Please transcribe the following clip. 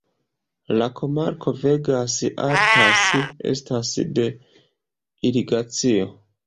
La komarko Vegas Altas estas de irigacio.